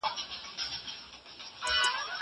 زه اجازه لرم چي موسيقي اورم!!